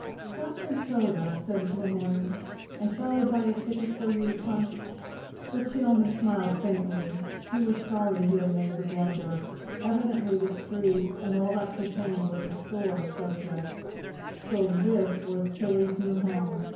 "Scotch and soda," said Le Moyne. "And shall I buy a ticket for you to punch?" But she only smiled faintly. He was sorry he had made the blunder. Evidently the Street and all that pertained was a sore subject. So this was Tillie's new home!